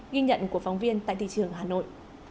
ghi nhận của phóng viên tại thị trường hà nội